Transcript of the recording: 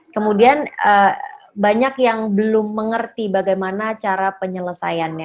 kemudian banyak yang belum mengerti bagaimana cara penyelesaiannya